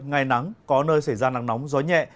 ngày nắng có nơi xảy ra nắng nóng gió nhẹ